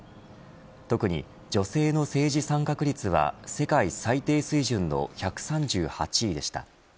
特に女性の政治参画率は世界最低水準の１３８位でした。